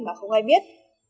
mà không ai biết